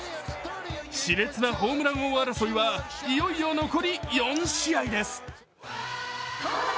しれつなホームラン王争いはいよいよ残り４試合です。